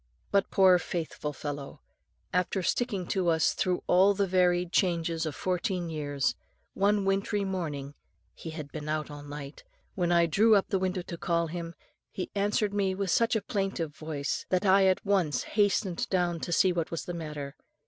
But poor faithful fellow, after sticking to us through all the varied changes of fourteen years, one wintry morning he had been out all night when I drew up the window to call him, he answered me with such a plaintive voice, that I at once hastened down to see what was the matter.